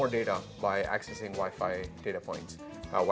ke dalam produk yang disebut datally